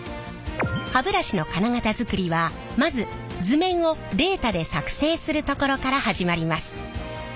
歯ブラシの金型づくりはまず図面をデータで作成するところから始まります。